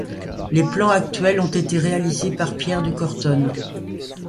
Les plans actuels ont été réalisés par Pierre de Cortone.